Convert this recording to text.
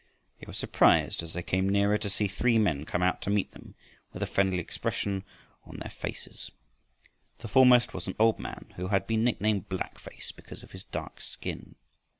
They were surprised as they came nearer to see three men come out to meet them with a friendly expression on their faces. The foremost was an old man who had been nicknamed "Black face," because of his dark skin.